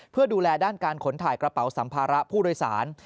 เพื่อดูแลด้านการขนถ่ายกระเป๋าสัมภาระผู้โดยสาร